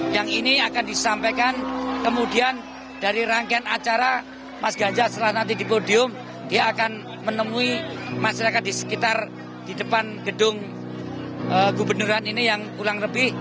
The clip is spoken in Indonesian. yang ini akan disampaikan kemudian dari rangkaian acara mas ganjar setelah nanti di podium dia akan menemui masyarakat di sekitar di depan gedung gubernuran ini yang ulang lebih